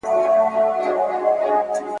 ویل سته خو عمل نسته ..